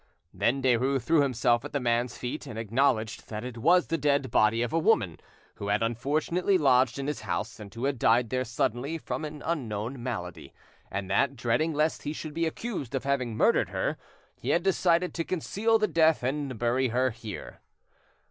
Then Derues threw himself at the man's feet and acknowledged that it was the dead body of a woman who had unfortunately lodged in his house, and who had died there suddenly from an unknown malady, and that, dreading lest he should be accused of having murdered her, he had decided to conceal the death and bury her here.